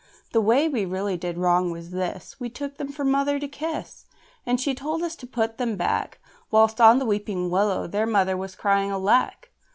The way we really did wrong was this: We took them for Mother to kiss, And she told us to put them back; Whilst out on the weeping willow their mother was crying "Alack!"